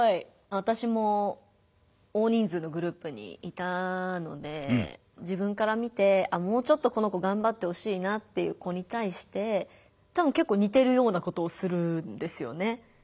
私も大人数のグループにいたので自分から見てあっもうちょっとこの子がんばってほしいなっていう子に対してたぶんけっこう似てるようなことをするんですよね。